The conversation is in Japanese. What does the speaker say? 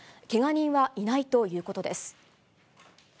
けが人はいないということです。